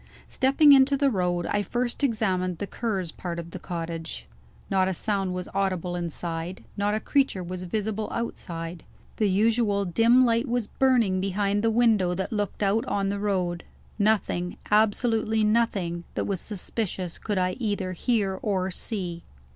Stepping into the road, I first examined the Cur's part of the cottage. Not a sound was audible inside; not a creature was visible outside. The usual dim light was burning behind the window that looked out on the road. Nothing, absolutely nothing, that was suspicious could I either hear or see.